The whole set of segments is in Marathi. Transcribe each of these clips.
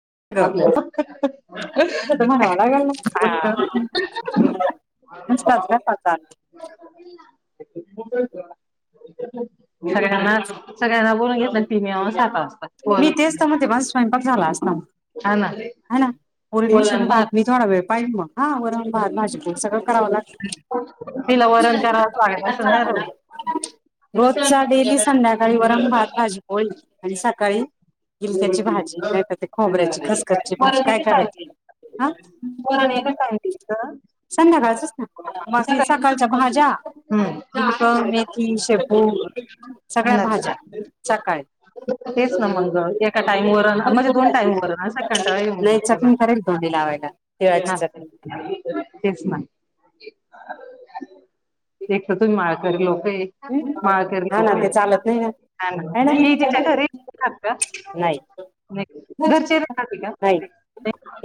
[inaudible] आपल्या पाच्या पाात आ [inaudible] तो सगळ्यांना सगळ्यांना बोलून घेतलं ती मी सकाा मी तेच तर म ते पण स्वयंपाक झाला अस ना हा ना वरण हा ना पसेशन भात मी थोडा वेळ पाहिल मग हा वरन भात भाजी तेंन सगळं तिला वरण करावंच लागेल असं नाही [inaudible] च्या डेली संध्याकाळी वरम भात भाजी होईल आणि सकाळी इिलक्याची राहू भाजी काय कर खोबऱ्याची खसखसची भाजी वरण काय एकच आहे करायची हा वरण एत काय संध्याकाळचच ना सकाळच्या हम्म. भाज्या मेथी शेपू सगळ्या भाज्या सकाळच्या तेच ना मग एका टाइम व म्हणजे दोन टाइमवरन स येऊन त ला ते तेच ना एक तर तुम माळक लोक आहे माळकर हा लोक ना आहे ते चालत नाही ना आहे ना [unintelligible] [inaudible] नाही नाही घरचेेतते का नाही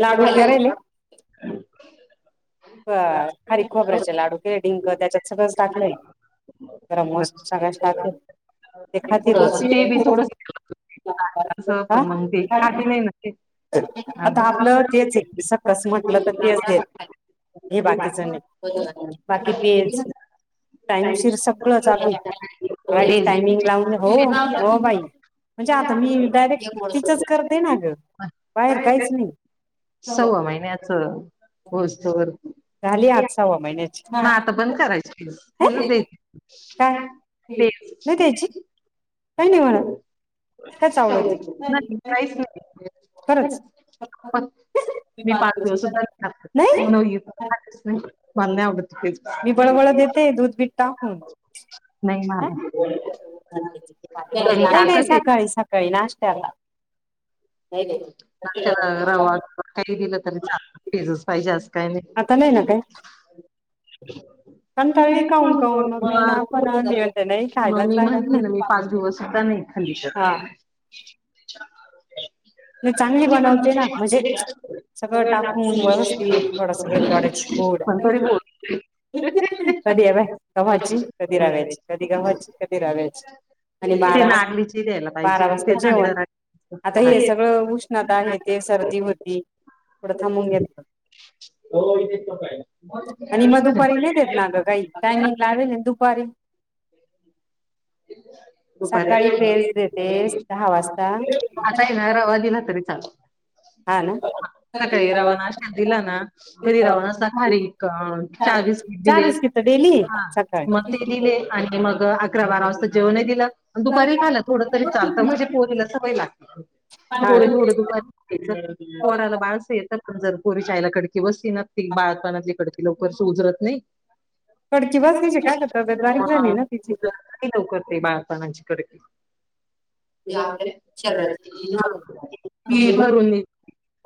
लाडू कराल का खारी खबराचे लाडूक डिंक त्याच्यात सगळं टाकलंय तरमस सग तेखात र ते बी थोडस असं हा पण मग ते खाती नाही ना ते. आता आपलं तेच आहे सकस म्हटलं तर तेच देत हे बाकीच नाही बाकी पे टाइमशीिर सगळं चालुये तेच टाइमिंग लावून हो हो बाई म्हणजे आता मी डायरेक्ट तिचच करते ना ग बाहेर काहीच नाही. सव्वा महिन्याच होऊस तवर झाली आज सवा महिने म आता बंद करायची. काय ते काय नाही म्हणा काय नाही [unintelligible] होते काहीच नाही. खरंच मी पाच दिवस सुद्धा नाही बां नाही आवडत. तेच. मीबळबळ देते दूध बी द टाकून नाही मला त्यांनी नाही टाकत नाही सकाळी सकाळी काही नाश्त्याला त्याला रवा काही दिलं तरी चालत पेज च पाहिजे अस काही आता ना नाही. काय कंटाळली काहून काहून मग मी ना पण आणली म्हणते नाही मग खायलाच मी लागल म्हणतो ना मी पाच दिवसता खाली हा [unintelligible] मी चांगली बनवते ना म्हजे सगळं टाकून व्यवस्थित थोडं सगळं व वेलदोड्याची पूड पण तरी बोल कधी अ गव्हाची, कधी रव्याची, कधी गव्हाची, कधी रव्याची. आणि ती बारा नागलीची द्यायला बारा पाहिजे ते थंड राहत. उष्णात आहे ते सर्दी होती थोडं थांबून घेतलं हो इथेच कायला आणि मग दुपारी नाही देत ना ग काही टाइमिंग लावेल दुपारी सकाळी दुपारी पेज देतेस दहा वाजता. गेला तरी चाल हा ना सकाळी रवा नाश्त्याला दिला ना तरी चहा रवा अस खारीक अ चहा बिस्कीट दिले बिस्किट डेली हा मग सकाळी ते दिले आणि मग अकरा बारा वाजता जेवणे दिलं आणि दुपारी खालं थोडंतरी चालत म्हणजे पोरीला सवय लागते. हा थोड थोडं दुपारचं पोराला बाळस येत पण जर पोरी आईला कडकी बसली न बाळतपणातली कडकी लवकर उजरत नाही. कडकी बसायची काय ग तब्येत बारीक झाली ना तिची लवकर ते बाार जणांची कडकी [unintelligible] त भरून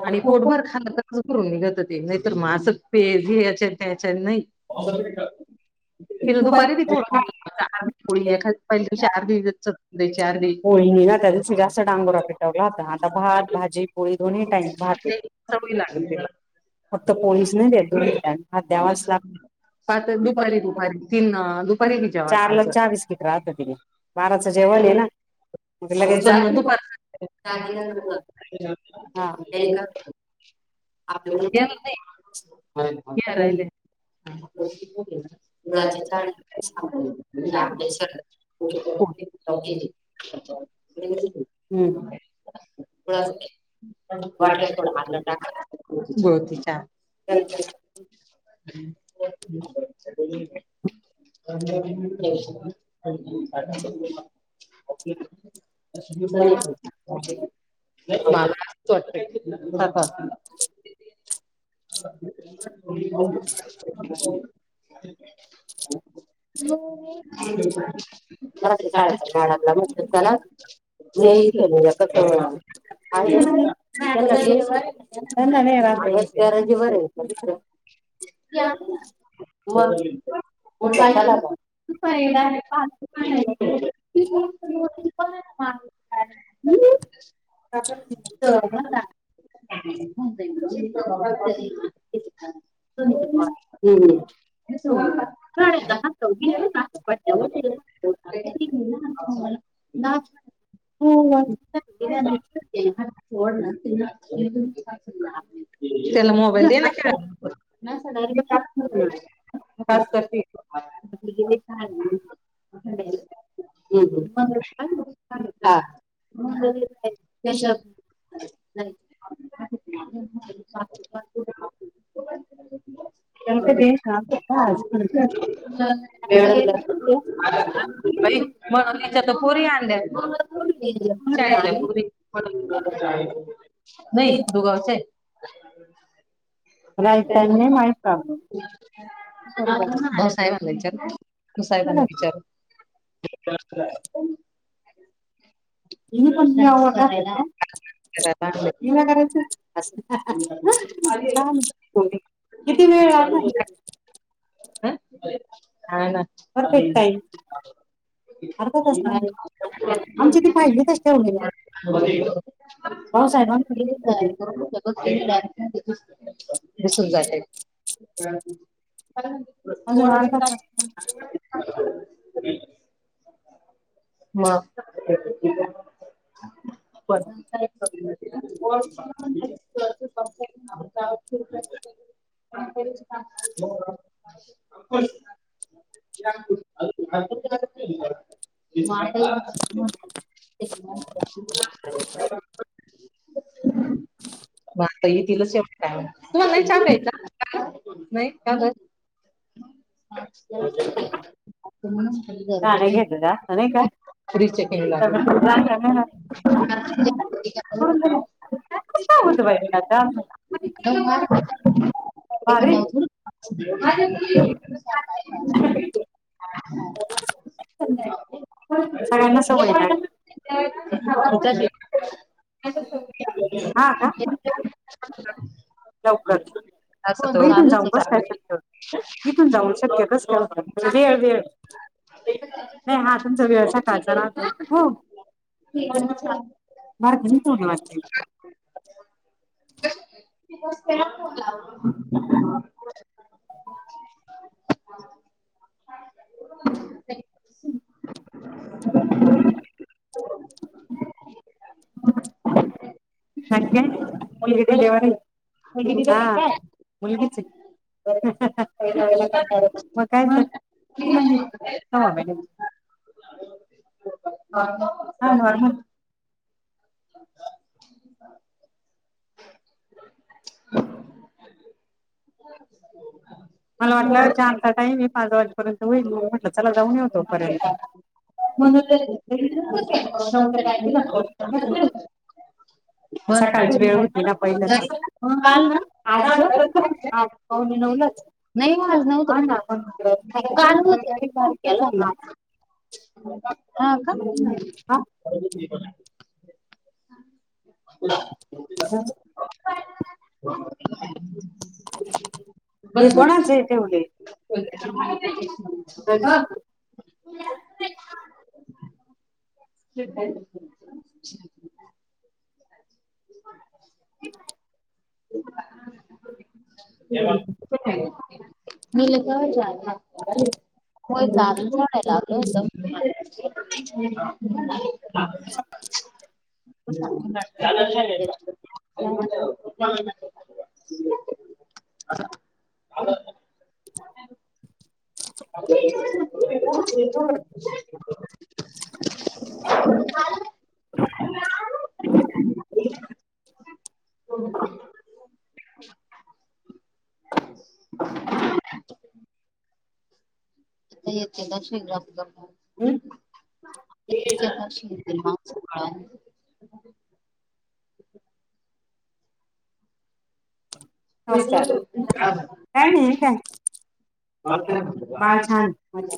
आणि पोटभर खाल तर कं करून निघत ते नाही तर मास पेज याच्या त्याच्यान नाही.. तीन दुपारी बी थोडी एखादी आरधि चतकोर होळी म ना त्याच्याशी जास्तडांगोरा पेटवला आता भात भाजी, पोळी दोन्ही टाईम पाहते चवळी लागली त्याला फक्त पोळीच नाही देत दोन्ही टाईम भात द्यावाच पात दुपारी ललागतो. दुपारी तीन अं, दुपारी बी जेवण चार ला चहा बिस्कीट राहत तिने बाराच जेव [unintelligible] [inaudible] [unintelligible] दादीला नवरा हा त्यांनी का आपल्या [unintelligible] नाही घ राहिले [unintelligible] मुळाचे गुळाचा चहा झाड आपल्या शरीर [unintelligible] हम गुळाचा ये [unintelligible] गवतीच्या. [unintelligible] [inaudible] [unintelligible] [inaudible] [unintelligible] पण [unintelligible] [inaudible] [unintelligible] [unintelligible] मला ते शाळेचा [unintelligible] [unintelligible] [inaudible] [unintelligible] [inaudible] [unintelligible] [inaudible] मग [unintelligible] म्हटलं चला मग. [inaudible] दुपारी [unintelligible] [inaudible] तर मग [unintelligible] [unintelligible] हम्. [unintelligible] [inaudible] [unintelligible] [inaudible] तेला मोबाईल दे ना [unintelligible] [inaudible] तास करते. [unintelligible] [unintelligible] मग हा [unintelligible] [inaudible] [unintelligible] [unintelligible] [inaudible] ई [unintelligible] [unintelligible] तर पुरी आणल्या शाळतल्या पुरी नाहीय दुगावचे आहेत. [unintelligible] [inaudible] पण हो साहेबांना विचार [unintelligible] साहेबांना विचार [unintelligible] [unintelligible] [inaudible] [unintelligible] [inaudible] किती वेळ [unintelligible] [inaudible] [unintelligible] [inaudible] हा ना. परफेक्ट [unintelligible] [inaudible] आमची ते पाहिजे [unintelligible] [inaudible] [unintelligible] भाऊसाहेबांकडे दिसून जात. [unintelligible] [inaudible] अजून अर्धा तास [unintelligible] [unintelligible] म [unintelligible] [unintelligible] [unintelligible] [inaudible] [unintelligible] [inaudible] [unintelligible] [inaudible] नाही का [unintelligible] [inaudible] चहा नाही घेत गं त्या, नाही का? फ्री चेकिंग लागेल. [unintelligible] [inaudible] [unintelligible] भारी [unintelligible] [unintelligible] सगळ्यांना सवय त्या हा का? लवकर. असं इथून जाऊन कस काय शक्य? इथून जाऊन शक्य कस का? वेळ वेळ नाही, हा तुमचा व्यवसाय हो, [unintelligible] [inaudible] [unintelligible] [inaudible] [inaudible] [inaudible] [unintelligible] मुलगी चे. मग काय मग? किती म्हणजे? हो मॅडम. हा नॉर्मल [unintelligible] [unintelligible] [unintelligible] मला वाटलं चारचा टाईम ए पाच वाजेपर्यंत होईल, मग म्हटलं चला जाऊन येऊ तो पर्यंत. [unintelligible] पण [unintelligible] सकाळची वेळ होती ना पहिलं, [unintelligible] काल तर आ पाऊणे नऊलाच, नाही हो आज नव्हतो काल [unintelligible] हा का? [inaudible] [unintelligible] हे बाई कोणाच कोणाचे हे आहे ठेवले? [unintelligible] [unintelligible] [unintelligible] [unintelligible] [unintelligible] हो गावी सोडायला आलो [unintelligible] [unintelligible] [unintelligible] [unintelligible] [unintelligible] [unintelligible] [unintelligible] [unintelligible] [unintelligible] [inaudible] नमस्कार काय नाही काय [unintelligible] बाळ छान आहे.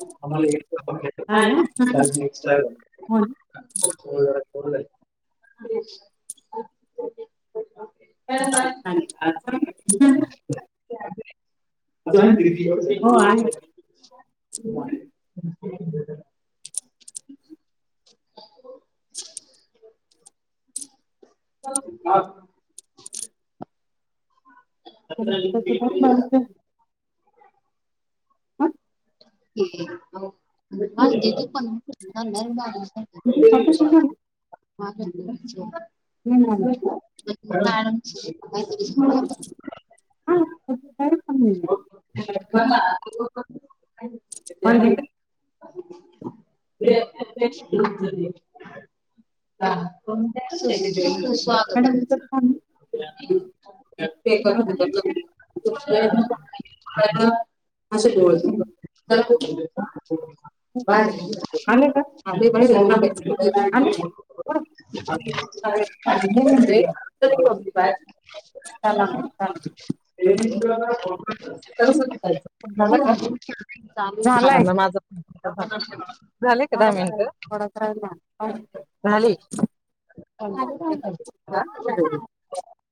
हा ना हो ना? [unintelligible] [unintelligible] अजून आहे ना दिदी? हो आहे, [unintelligible] [unintelligible] [unintelligible] [unintelligible] तुपण नर्म ऑपरेशन झालं? नाही झालं. ह [inaudible] हा, तरी पण [inaudible] झा नाही. म्हणजे [inaudible] स्वागत मॅडम तिचं काम ते कर [inaudible] बस आले का आ बा आले का [inaudible] चाला म झालाय माझ [inaudible] झाले का दहा मिनटं थोडाच झाले ह